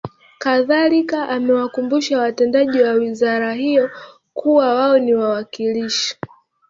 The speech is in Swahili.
Kadhalika amewakumbusha watendaji wa wizara hiyo kuwa wao ni wawakilishi